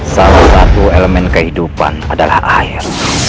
salah satu elemen kehidupan adalah air